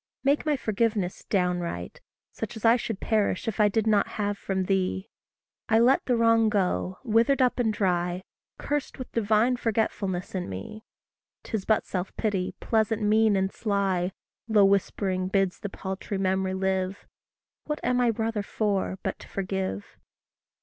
Make my forgiveness downright such as I Should perish if I did not have from thee; I let the wrong go, withered up and dry, Cursed with divine forgetfulness in me. 'Tis but self pity, pleasant, mean, and sly, Low whispering bids the paltry memory live: What am I brother for, but to forgive!